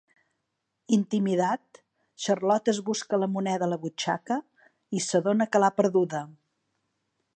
Intimidat, Xarlot es busca la moneda a la butxaca i s’adona que l’ha perduda.